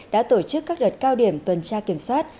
đã tổ chức các đợt cao điểm tuần tra kiểm soát